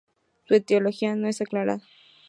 Su etiología no está aclarada.